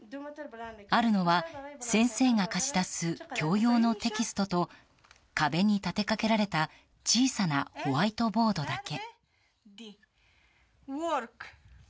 あるのは、先生が貸し出す共用のテキストと壁に立てかけられた小さなホワイトボードだけ。